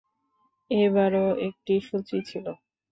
এবারও একই সূচি ছিল।